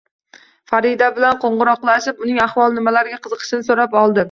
Farida bilan qo`ng`iroqlashib, uning ahvoli, nimalarga qiziqishini so`rab oldim